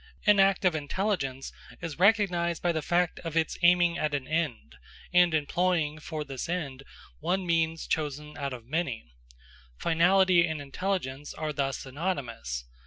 An act of intelligence is recognised by the fact of its aiming at an end, and employing for this end one means chosen out of many. Finality and intelligence are thus synonymous.